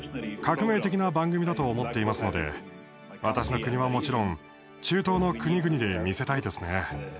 革命的な番組だと思っていますので私の国はもちろん中東の国々で見せたいですね。